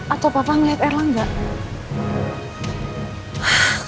atau papa ngeliat erlang gak